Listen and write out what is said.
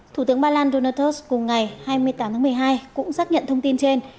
thủ tướng ba lan donatus cùng ngày hai mươi tám tháng một mươi hai cũng xác nhận thông tin trên